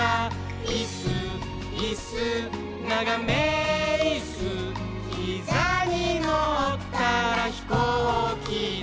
「いっすーいっすーながめいっすー」「ひざにのったらひこうきだ」